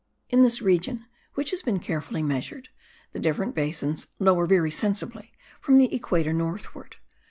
In this region, which has been carefully measured, the different basins lower very sensibly from the equator northward.